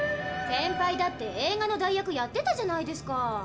センパイだって映画の代役やってたじゃないですか。